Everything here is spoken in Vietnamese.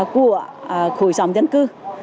của khối xóm dân cư